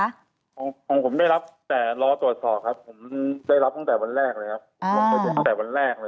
ผมได้รับแต่รอตรวจสอบครับผมได้รับตั้งแต่วันแรกเลยครับ